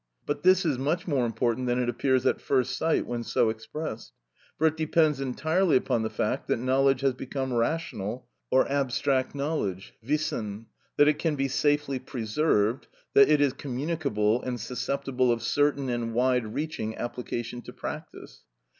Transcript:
But this is much more important than it appears at first sight when so expressed. For it depends entirely upon the fact that knowledge has become rational or abstract knowledge (wissen), that it can be safely preserved, that it is communicable and susceptible of certain and wide reaching application to practice.